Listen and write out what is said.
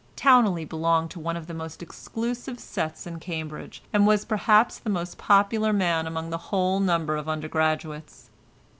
Towneley belonged to one of the most exclusive sets in Cambridge, and was perhaps the most popular man among the whole number of undergraduates.